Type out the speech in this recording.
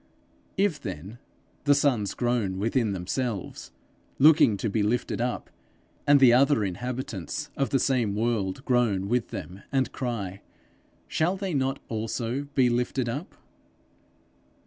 If then the sons groan within themselves, looking to be lifted up, and the other inhabitants of the same world groan with them and cry, shall they not also be lifted up?